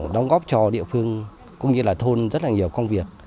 đóng góp cho địa phương cũng như là thôn rất là nhiều công việc